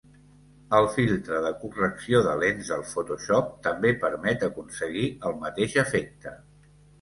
El filtre de correcció de lents de Photoshop també permet aconseguir el mateix efecte.